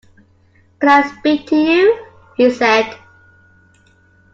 “Can I speak to you?” he said.